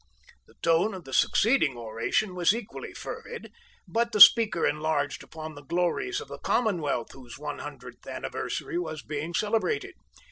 The tone of the succeeding oration was equally fervid, but the speaker enlarged upon the glories of the Commonwealth whose one hundredth anniversary was being celebrated.